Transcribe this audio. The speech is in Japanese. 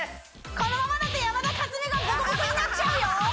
このままだと山田勝己がボコボコになっちゃうよー！